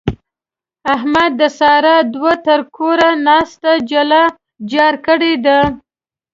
احمد د سارا دوی تر کوره تانسته جار کړې ده.